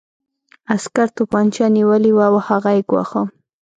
عسکر توپانچه نیولې وه او هغه یې ګواښه